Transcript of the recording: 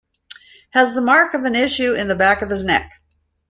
Has the mark of an issue in the back of his neck.